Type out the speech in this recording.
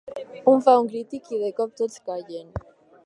Un fa un crit i de cop tots callen.